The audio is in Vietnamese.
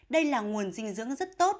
đây là nguồn dinh dưỡng rất tốt